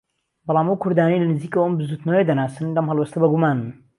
بەڵام ئەو كوردانەی لە نزیكەوە ئەم بزووتنەوەیە دەناسن لەم هەڵوێستە بەگومانن